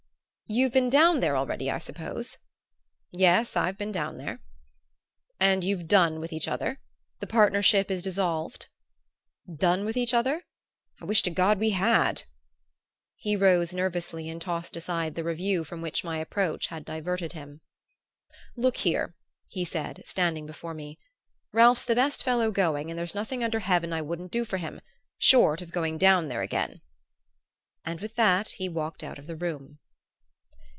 "You've been down there already, I suppose?" "Yes; I've been down there." "And you've done with each other the partnership is dissolved?" "Done with each other? I wish to God we had!" He rose nervously and tossed aside the review from which my approach had diverted him. "Look here," he said, standing before me, "Ralph's the best fellow going and there's nothing under heaven I wouldn't do for him short of going down there again." And with that he walked out of the room.